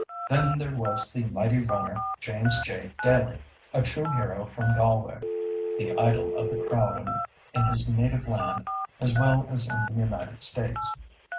Then there was the mighty runner, James J. Daly, a true hero from Galway, the idol of the crowd in his native land as well as in the United States.